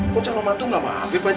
kok calon mantu gak ada di rumah